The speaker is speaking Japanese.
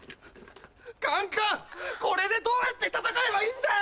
カンカンこれでどうやって戦えばいいんだよ！